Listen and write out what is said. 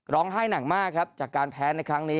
ให้หนักมากครับจากการแพ้ในครั้งนี้